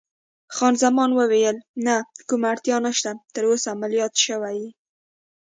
خان زمان وویل: نه، کومه اړتیا نشته، ته تراوسه عملیات شوی نه یې.